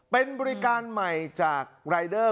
เป็นบริการใหม่จากรายเดอร์